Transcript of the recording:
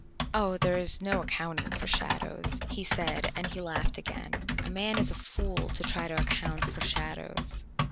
"Oh, there is no accounting for shadows," he said, and he laughed again. "A man is a fool to try to account for shadows."